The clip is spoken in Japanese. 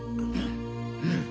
うん。